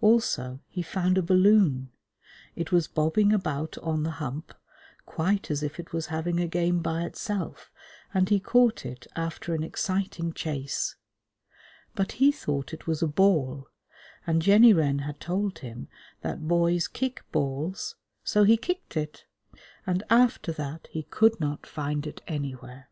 Also he found a balloon. It was bobbing about on the Hump, quite as if it was having a game by itself, and he caught it after an exciting chase. But he thought it was a ball, and Jenny Wren had told him that boys kick balls, so he kicked it; and after that he could not find it anywhere.